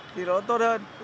thì nó tốt hơn